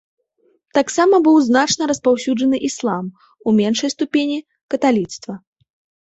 Таксама быў значна распаўсюджаны іслам, у меншай ступені каталіцтва.